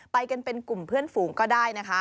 ไปกันเป็นกลุ่มเพื่อนฝูงก็ได้นะคะ